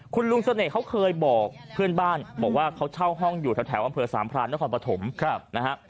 คุณลุงเสน่ห์เขาเคยบอกเพื่อนบ้านบอกว่าเขาเช่าห้องอยู่แถวอำเภอสามพรานนครปฐมนะฮะ